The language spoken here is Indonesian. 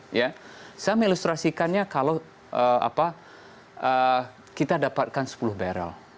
saya mengilustrasikannya kalau kita dapatkan sepuluh barrel